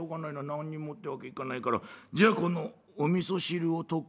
何にもってわけいかないからじゃこのおみそ汁を特別に。